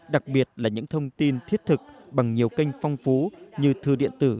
đặc biệt là những thông tin thiết thực bằng nhiều kênh phong phú như thư điện tử